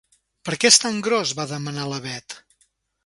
Per què és tan gros? —va demanar la Bet.